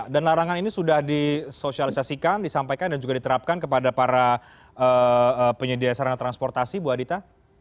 dan larangan ini sudah disosialisasikan disampaikan dan juga diterapkan kepada para penyedia sarana transportasi bu adita